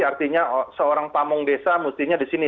artinya seorang pamung desa mestinya di sini